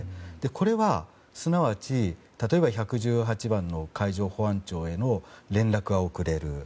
これは、すなわち例えば１１８番の海上保安庁への連絡が遅れる。